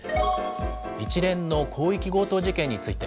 一連の広域強盗事件について。